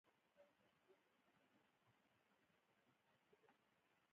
دا مادي وسایل د ژوند د دوام لپاره ضروري دي.